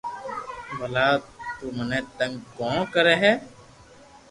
ڀلا تو مني تنگ ڪو ڪري ھيي